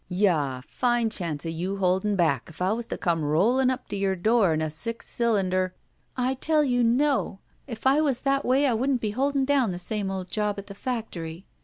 ''Yah, fine chance of you holding back if I was to come rolling up to your door in a six cylinder —" '*I tell you, no! If I was that way I wouldn't be holding down the same old job at the factory.